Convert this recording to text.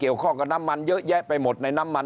ข้อกับน้ำมันเยอะแยะไปหมดในน้ำมัน